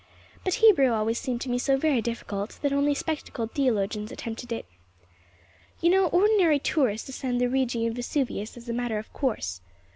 But Hebrew always seemed to me so very difficult that only spectacled theologians attempted it. You know ordinary tourists ascend the Rigi and Vesuvius as a matter of course.